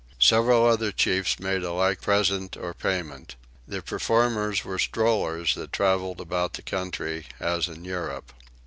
Several other chiefs made a like present or payment. The performers were strollers that travelled about the country as in Europe.